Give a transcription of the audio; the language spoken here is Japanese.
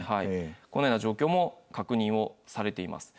このような状況も確認をされています。